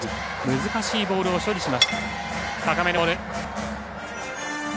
難しいボールを処理しました。